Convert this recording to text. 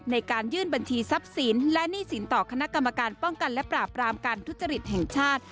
ในการยื่นบัญชีทรัพย์สินและหนี้สินต่อคณะกรรมการป้องกันและปราบรามการทุจริตแห่งชาติ